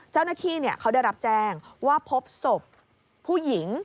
เจ้าหน้าที่เขาได้รับแจ้งว่าพบศพผู้หญิง